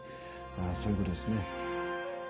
まぁそういうことですね。